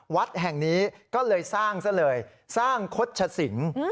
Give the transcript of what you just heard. วัดแห่งนี้ก็เลยสร้างซะเลยสร้างคดชสิง